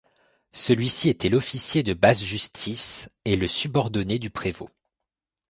Celui-ci était l'officier de basse-justice et le subordonné du prévôt.